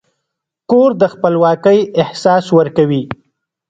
کور د خپلواکۍ احساس ورکوي.